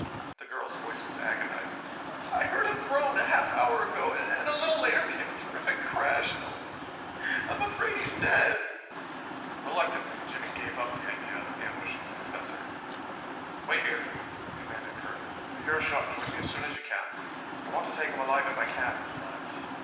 The girl's voice was agonized. "I heard him groan a half hour ago, and a little later came a terrific crash. Oh, I'm afraid he's dead!" Reluctantly Jimmie gave up the idea of ambushing the Professor. "Wait here," he commanded curtly. "If you hear a shot join me as soon as you can. I want to take him alive if I can, but...."